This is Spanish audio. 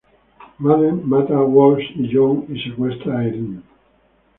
Madden mata Walsh y John a secuestra a Erin.